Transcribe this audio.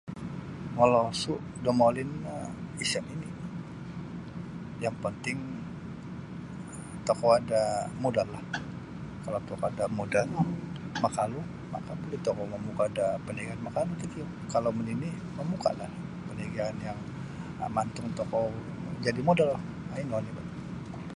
Molosu' da molin no isa' nini' yang penting tokou ada modallah. Kalau tokou ada modal makalu maka buli tokou mamuka' da parniagaan makalu takiuk kalau manini' mamuka'lah da parniagaan yang maantung tokou jadi modal um ino oni bat.